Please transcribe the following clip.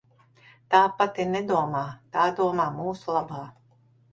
Tā pati nedomā, tā domā mūsu labā.